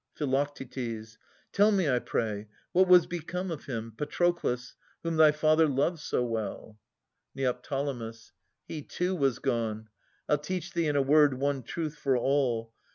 Phi. Tell me, I pray, what was become of him, Patroclus, whom thy father loved so well ? Ned. He, too, was gone. I'll teach thee in a word One truth for all.